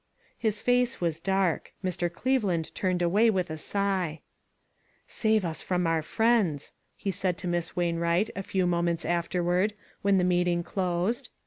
His face was dark. Mr. Cleveland turned away with a sigh. " Save us from our friends," he said to Miss Wainwright, a few moments afterward, when the meeting closed.